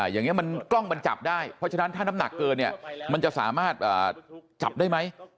อย่างนี้มันกล้องมันจับได้เพราะฉะนั้นถ้าน้ำหนักเกินเนี่ยมันจะสามารถจับได้ไหม